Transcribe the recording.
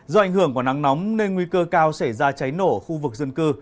do ảnh hưởng của nắng nóng nên nguy cơ cao xảy ra cháy nổ ở khu vực dân cư